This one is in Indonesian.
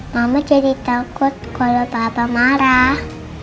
mama jadi takut kalau tata marah